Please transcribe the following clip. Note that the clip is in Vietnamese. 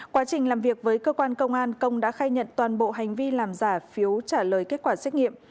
quá trình làm việc với cơ quan công an công đã khai nhận toàn bộ hành vi làm giả phiếu trả lời kết quả xét nghiệm